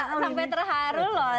sampai terharu loh